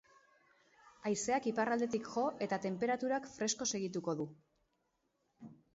Haizeak iparraldetik jo eta tenperaturak fresko segituko du.